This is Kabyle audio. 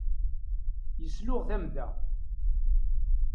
Yesluɣ tamda.